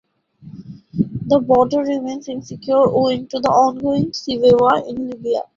The border remains insecure owing to the ongoing civil war in Libya.